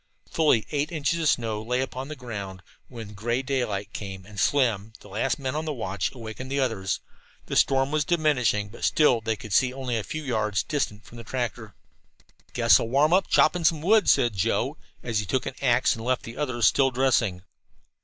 Fully eight inches of snow lay upon the ground when gray daylight came and Slim, the last man on watch, awakened the others. The storm was diminishing, but still they could see only a few yards distant from the tractor. "Guess I'll warm up chopping some wood," said Joe, as he took an axe and left the others still dressing.